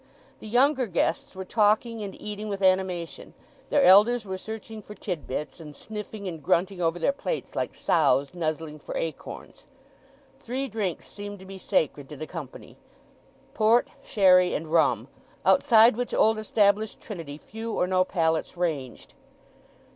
The younger guests were talking and eating with animation; their elders were searching for titbits, and sniffing and grunting over their plates like sows nuzzling for acorns. Three drinks seemed to be sacred to the company—port, sherry, and rum; outside which old established trinity few or no palates ranged.